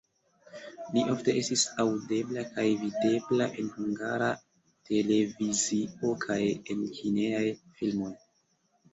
Li ofte estis aŭdebla kaj videbla en Hungara Televizio kaj en kinejaj filmoj.